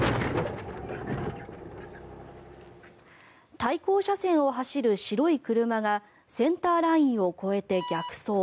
対向車線を走る白い車がセンターラインを越えて逆走。